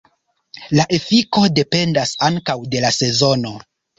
La efiko dependas ankaŭ de la sezono.